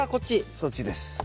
そっちです。